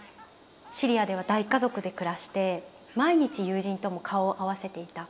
シリアでは大家族で暮らして毎日友人とも顔を合わせていた。